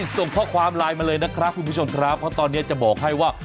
ส่งข้อความไลน์มาเลยนะครับคุณผู้ชมครับเพราะตอนนี้จะบอกให้ว่า